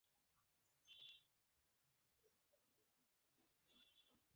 মামার শ্রাদ্ধ্যের জন্য জমা করে রাখছিস?